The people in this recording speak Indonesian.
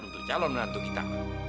untuk calon nantu kita